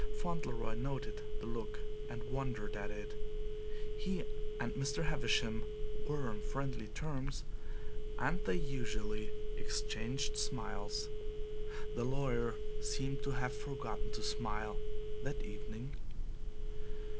Fauntleroy noted the look and wondered at it. He and Mr. Havisham were on friendly terms, and they usually exchanged smiles. The lawyer seemed to have forgotten to smile that evening.